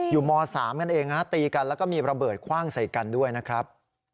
อยู่ม๓กันเองนะครับตีกันแล้วก็มีระเบิดขว้างใส่กันด้วยนะครับ